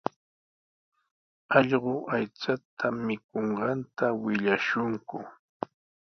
Allqu aycha mikunqanta willashunku.